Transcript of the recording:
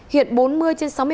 hiện bốn mươi trên sáu mươi ba